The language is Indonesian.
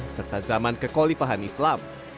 serta zaman kekolipahan islam